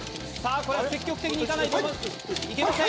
これは積極的に行かないといけません。